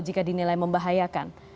jika dinilai membahayakan